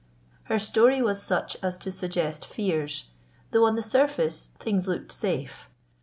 Her story was such as to suggest fears, though on the surface things looked safe.